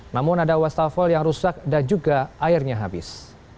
namun ada wastafel yang rusak dan juga airnya habis